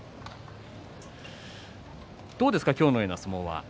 どうですか、今日のような相撲は。